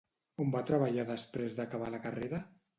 On va treballar després d'acabar la carrera?